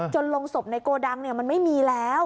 ลงศพในโกดังมันไม่มีแล้ว